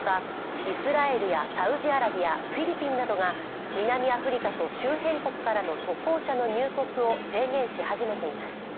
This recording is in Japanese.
イスラエルやサウジアラビア、フィリピンなどが南アフリカと周辺国からの渡航者の入国を制限し始めています。